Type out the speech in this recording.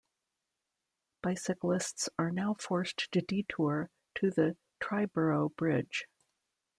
Bicyclists are now forced to detour to the Triborough Bridge.